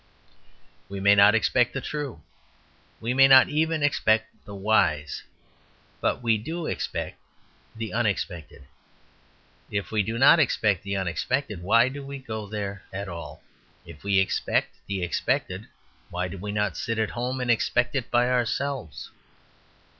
We may not expect the true, we may not even expect the wise, but we do expect the unexpected. If we do not expect the unexpected, why do we go there at all? If we expect the expected, why do we not sit at home and expect it by ourselves?